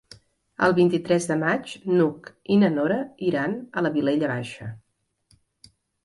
El vint-i-tres de maig n'Hug i na Nora iran a la Vilella Baixa.